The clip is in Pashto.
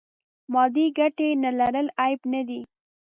مادې ګټې نه لرل عیب نه دی.